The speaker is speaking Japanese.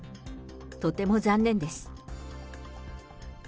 とても残念です。